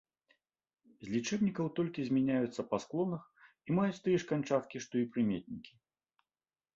З лічэбнікаў толькі змяняюцца па склонах і маюць тыя ж канчаткі, што і прыметнікі.